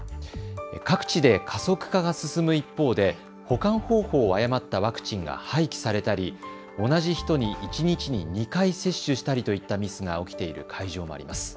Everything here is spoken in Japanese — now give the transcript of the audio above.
各地で加速化が進む一方で保管方法を誤ったワクチンが廃棄されたり同じ人に一日に２回接種したりといったミスが起きている会場もあります。